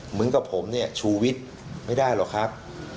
เหมือนกับผมเนี่ยชูวิทย์ไม่ได้หรอกครับ